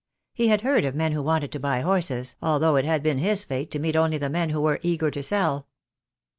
He had heard of men who wanted to buy horses, although it had been his fate to meet only the men who were eager to sell.